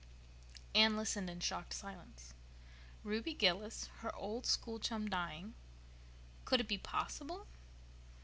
Anne listened in shocked silence. Ruby Gillis, her old school chum, dying? Could it be possible?